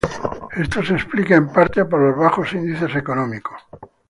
Esto se explica, en parte, por los bajos índices económicos.